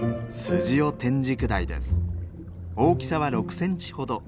大きさは６センチほど。